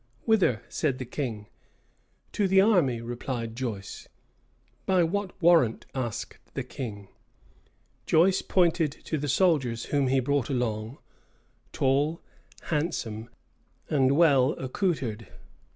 "Whither?" said the king. "To the army," replied Joyce. "By what warrant?" asked the king. Joyce pointed to the soldiers whom he brought along; tall, handsome, and well accoutred.